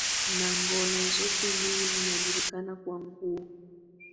na ngono zote mbili zinajulikana kwa nguo